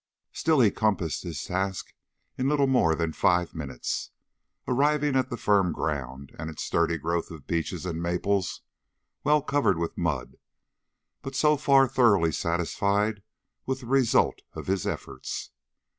Still, he compassed his task in little more than five minutes, arriving at the firm ground, and its sturdy growth of beeches and maples, well covered with mud, but so far thoroughly satisfied with the result of his efforts.